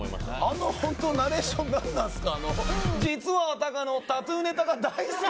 あのホントナレーション何なんすか？